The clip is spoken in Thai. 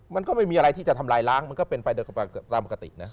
มันก็ไม่มีอะไรที่จะทำลายล้างมันก็เป็นไปโดยตามปกตินะ